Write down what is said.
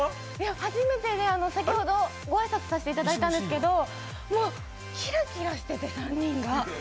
初めてで、先ほどご挨拶させていただいたんですけど、もう、キラキラしてて３人が。